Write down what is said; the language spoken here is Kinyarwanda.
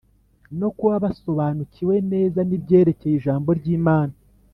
no kuba basobanukiwe neza n ibyerekeye ijambo ry’imana